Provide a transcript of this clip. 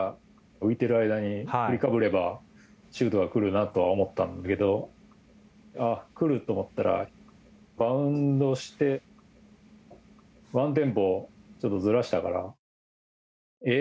浮いている間に振りかぶればシュートが来るなとは思ったんだけどあ、来ると思ったらバウンドしてワンテンポちょとずらしたからえ？